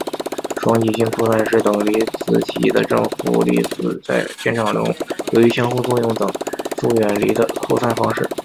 双极性扩散是等离子体的正负粒子在电场中由于相互作用等速远离的扩散方式。